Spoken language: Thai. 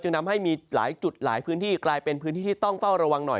ทำให้มีหลายจุดหลายพื้นที่กลายเป็นพื้นที่ที่ต้องเฝ้าระวังหน่อย